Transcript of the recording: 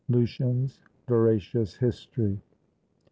— Lucian's Veracious History.